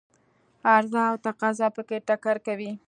عرضه او تقاضا په کې ټکر کوي.